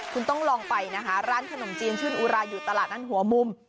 คุณต้องลองไปนะคะร้านขนมจีนชื่นอุราอยู่ตลาดนั้นหัวมุม